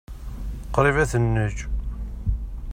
Qṛib ad ten-neǧǧ.